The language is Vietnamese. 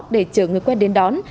để chờ người quen đến đón